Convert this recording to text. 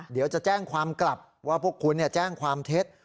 เดี๋ยวจะแจ้งความกลับว่าพวกคุณแจ้งความเท็จ